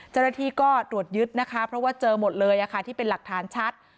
เจ้าหน้าที่ก็ตรวจยึดนะคะเพราะว่าเจอหมดเลยที่เป็นหลักฐานชัด